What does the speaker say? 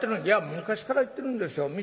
「いや昔から言ってるんですよ。